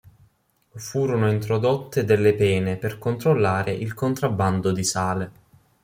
Furono introdotte delle pene per controllare il contrabbando di sale.